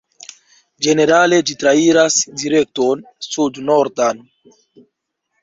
Ĝenerale ĝi trairas direkton Sud-Nordan.